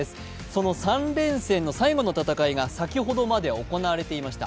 その３連戦の戦いが先ほどまで行われていました。